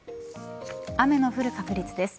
雨の降る確率です。